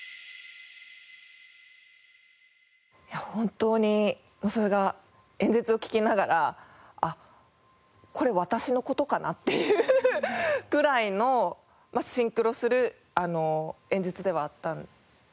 いや本当にそれが演説を聞きながら「あっこれ私の事かな」っていうくらいのシンクロする演説ではあった。